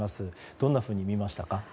どんなふうに見ましたか。